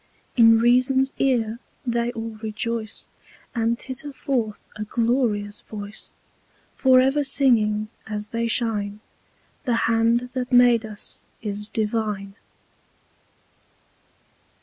In Reason's Ear they all rejoice, And titter forth a glorious Voice, For ever singing, as they shine, "The Hand that made us is Divine."